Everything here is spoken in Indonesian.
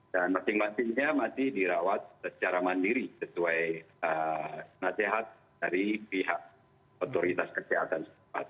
dan masing masingnya masih dirawat secara mandiri sesuai nasihat dari pihak otoritas kesehatan